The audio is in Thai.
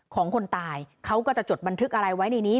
คนตายเขาก็จะจดบันทึกอะไรไว้ในนี้